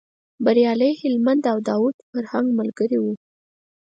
بریالی هلمند او داود فرهنګ ملګري و.